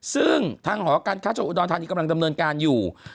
ซึ่งทางหอการค้าจังหวัดอุดรธานีกำลังดำเนินการอยู่